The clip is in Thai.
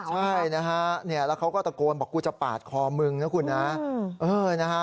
ใช่นะฮะเนี้ยแล้วเขาก็ตะโกนบอกกูจะปาดคอมึงนะคุณน่ะเออนะฮะ